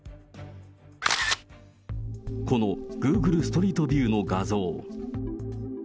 このグーグルストリートビューの画像。